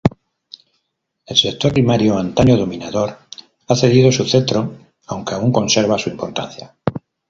El sector primario, antaño dominador ha cedido su cetro aunque aún conserva su importancia.